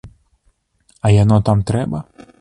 А яно там трэба?